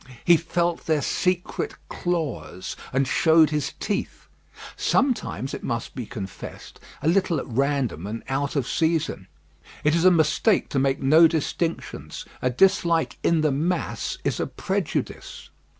He felt their secret claws, and showed his teeth; sometimes, it must be confessed, a little at random and out of season. It is a mistake to make no distinctions: a dislike in the mass is a prejudice.